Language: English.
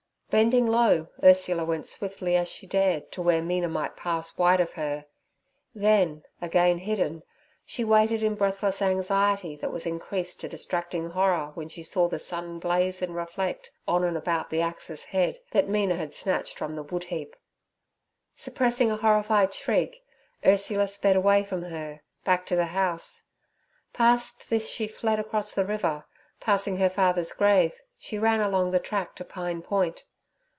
Bending low, Ursula went swiftly as she dared to where Mina might pass wide of her; then, again hidden, she waited in breathless anxiety, that was increased to distracting horror when she saw the sun blaze and reflect on and about the axe's head that Mina had snatched from the wood heap. Suppressing a horrified shriek, Ursula sped away from her, back to the house; past this she fled across the river; passing her father's grave, she ran along the track to Pine Point.